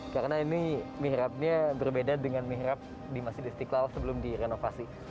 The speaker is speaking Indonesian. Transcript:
karena ini mihrabnya berbeda dengan mihrab di masjid istiqlal sebelum direnovasi